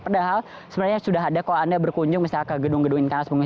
padahal sebenarnya sudah ada kalau anda berkunjung misalnya ke gedung gedung internasional